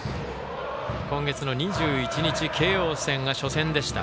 今月の２１日慶応戦が初戦でした。